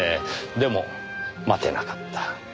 でも待てなかった。